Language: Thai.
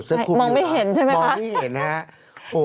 มองไม่เห็นใช่ไหม